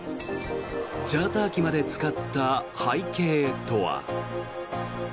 チャーター機まで使った背景とは。